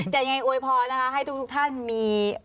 แต่ยังไงโวยพรนะคะให้ทุกท่านมี